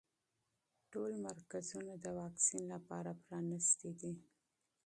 ټول مرکزونه د واکسین لپاره پرانیستي دي.